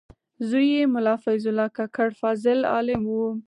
زوی یې ملا فیض الله کاکړ فاضل عالم و.